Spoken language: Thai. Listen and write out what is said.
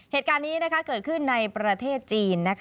เหตุการณ์นี้เกิดขึ้นในประเทศจีน